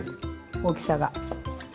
大きさが。